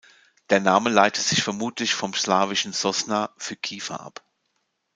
Der Name leitet sich vermutlich vom slawischen "sosna" für Kiefer ab.